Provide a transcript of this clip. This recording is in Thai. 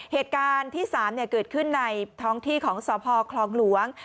เหตุการณ์ที่๓เกิดขึ้นในท้องที่ของสพคลองหลวง